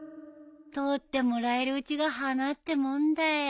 撮ってもらえるうちが華ってもんだよ。